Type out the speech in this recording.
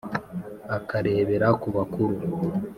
akarebera ku bakuru